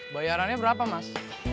bayarannya berapa mas